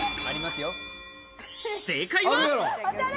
正解は。